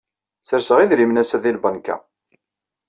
Serseɣ idrimen assa di lbanka.